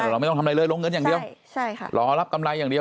เราไม่ต้องทำอะไรเลยลงเงินอย่างเดียวใช่ค่ะรอรับกำไรอย่างเดียว